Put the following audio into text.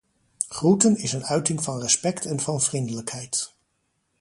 Groeten is een uiting van respect en van vriendelijkheid.